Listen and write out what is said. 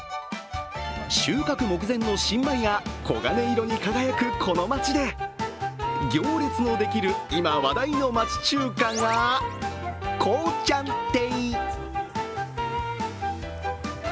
収穫目前の新米が黄金色に輝くこの街で行列のできる今話題の町中華が興ちゃん亭。